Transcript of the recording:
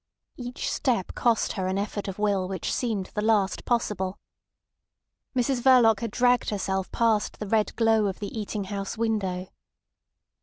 Each step cost her an effort of will which seemed the last possible. Mrs Verloc had dragged herself past the red glow of the eating house window.